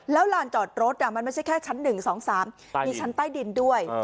แล้วลานจอดรถมันไม่ใช่แค่ชั้น๑๒๓มีชั้นใต้ดินด้วย